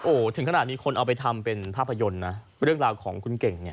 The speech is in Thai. โอ้โหถึงขนาดมีคนเอาไปทำเป็นภาพยนตร์นะเรื่องราวของคุณเก่งเนี่ย